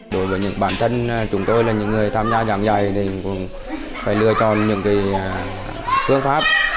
đối với những bản thân chúng tôi là những người tham gia giảng dạy thì cũng phải lựa chọn những phương pháp